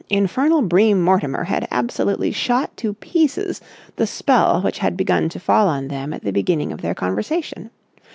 Infernal Bream Mortimer had absolutely shot to pieces the spell which had begun to fall on them at the beginning of their conversation.